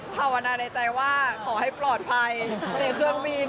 ภาวนาในใจว่าขอให้ปลอดภัยในเครื่องบิน